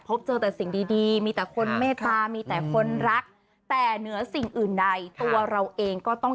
พบเจอแต่สิ่งดีมีแต่คนเมตตามีแต่คนรักแต่เหนือสิ่งอื่นใดตัวเราเองก็ต้อง